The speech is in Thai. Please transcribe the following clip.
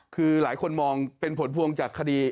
คือหลายคนมองเป็นผลพวงจากคดี